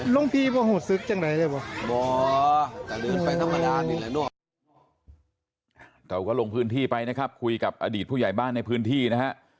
เราก็ลงพื้นที่ไปนะครับคุยกับอดีตผู้ใหญ่บ้านในพื้นที่นะฮะ